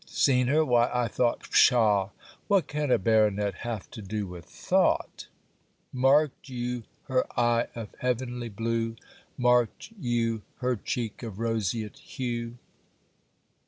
'Seen her! Why, I thought .' Psha! what can a Baronet have to do with thought? Mark'd you her eye of heavenly blue! Mark'd you her cheek of roseate hue!